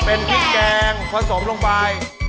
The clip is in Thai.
เป็นพริกแกงผสมลงไป